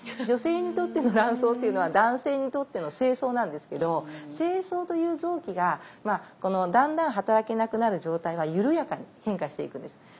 女性にとっての卵巣っていうのは男性にとっての精巣なんですけど精巣という臓器がだんだん働けなくなる状態は緩やかに変化していくんです。